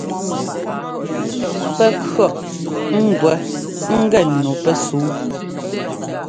Pɛ́ kʉ̈ɔ ŋ́gwɛ ŋ́gɛ nu pɛsúu...